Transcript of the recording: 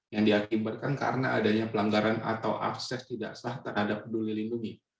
yang diakibatkan karena adanya pelanggaran atau akses tidak sah terhadap peduli lindungi